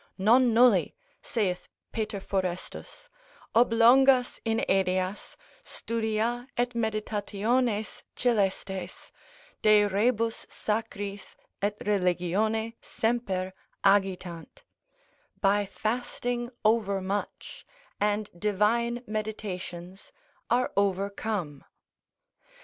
Nonnulli (saith Peter Forestus) ob longas inedias, studia et meditationes coelestes, de rebus sacris et religione semper agitant, by fasting overmuch, and divine meditations, are overcome.